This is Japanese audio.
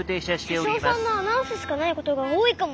あっしゃしょうさんのアナウンスしかないことがおおいかも。